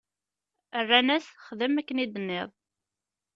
Rran-as: Xdem akken i d-tenniḍ!